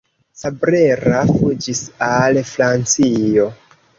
Cabrera fuĝis al Francio.